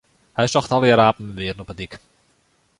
Hy sjocht allegear apen en bearen op 'e dyk.